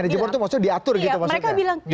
manajemen itu maksudnya diatur gitu maksudnya